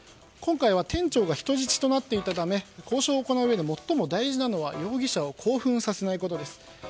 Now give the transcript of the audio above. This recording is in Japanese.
今回は店長が人質となっていたため交渉を行ううえで最も大事なのは容疑者を興奮させないことです。